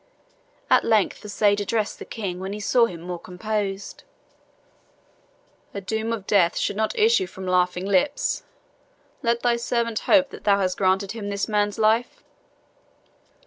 At length the sage addressed the King when he saw him more composed: "A doom of death should not issue from laughing lips. Let thy servant hope that thou hast granted him this man's life."